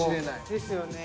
ですよね。